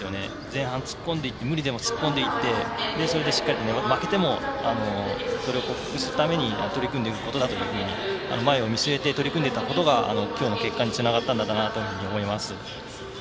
前半、無理でも突っ込んでいってそれで、負けてもそれを克服するために取り組んでいることだと前を見据えて取り組んでいたことがきょうの結果につながったのかなというふうに思います。